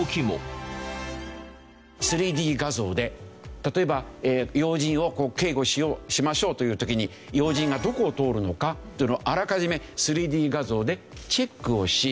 ３Ｄ画像で例えば要人を警護しましょうという時に要人がどこを通るのかというのをあらかじめ３Ｄ画像でチェックをし。